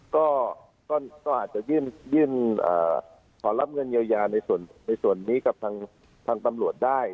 ก็อาจจะยื่นขอรับเงินเยียวยาในส่วนนี้กับทางตำรวจได้